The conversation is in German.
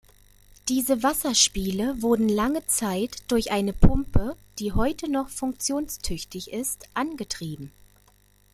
Diese Wasserspiele wurden lange Zeit durch eine Pumpe, die heute noch funktionstüchtig ist, angetrieben.